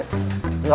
tidak pun ma